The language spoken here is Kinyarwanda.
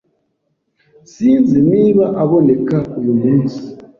Sinzi niba aboneka uyu munsi .